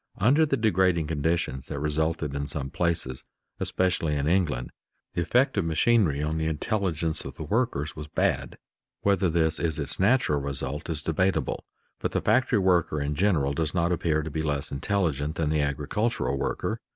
Under the degrading conditions that resulted in some places, especially in England, the effect of machinery on the intelligence of the workers was bad. Whether this is its natural result is debatable, but the factory worker in general does not appear to be less intelligent than the agricultural worker.